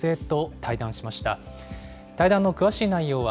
対談の詳しい内容は、